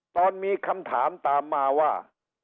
ตอนมีคำถามตามมาว่า